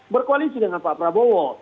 berkoalisi dengan pak prabowo